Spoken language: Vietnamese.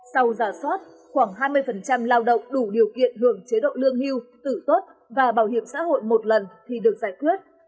sau giả soát khoảng hai mươi lao động đủ điều kiện hưởng chế độ lương hưu tử tuất và bảo hiểm xã hội một lần thì được giải quyết